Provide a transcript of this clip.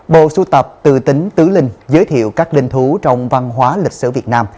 bộ sưu tập từ tính tứ linh giới thiệu các linh thú trong văn hóa lịch sử việt nam